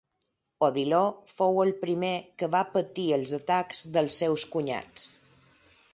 Odiló fou el primer que va patir els atacs dels seus cunyats.